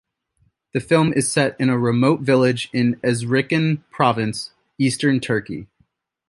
The film is set in a remote village in Erzincan province, Eastern Turkey.